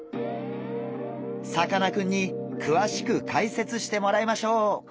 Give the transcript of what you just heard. さかなクンにくわしく解説してもらいましょう！